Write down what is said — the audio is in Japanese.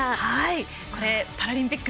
パラリンピック